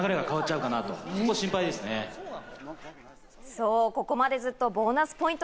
そう、ここまでずっとボーナスポイント